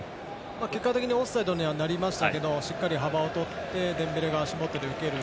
結果的にオフサイドにはなりましたけれどもしっかり幅を取ってデンベレが足元で受ける。